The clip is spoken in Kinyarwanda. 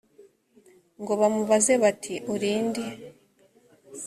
ngo bamubaze bati uri nde